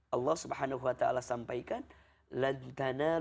allah swt sampaikan